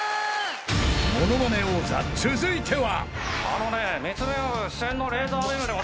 ［『ものまね王座』続いては］